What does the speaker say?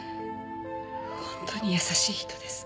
本当に優しい人です。